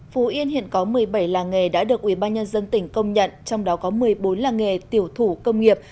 phú yên hiện có một mươi bảy làng nghề đã được ubnd tỉnh công nhận trong đó có một mươi bốn làng nghề tiểu thủ công nghiệp